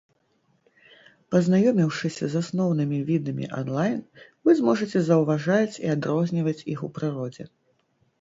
Пазнаёміўшыся з асноўнымі відамі анлайн, вы зможаце заўважаць і адрозніваць іх у прыродзе.